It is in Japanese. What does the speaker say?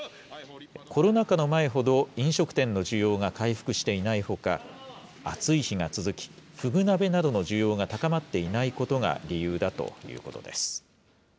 コロナ禍の前ほど飲食店の需要が回復していないほか、暑い日が続き、フグ鍋などの需要が高まっていないことが理由だということです。